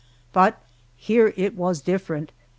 But here it was different.